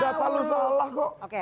tidak perlu salah kok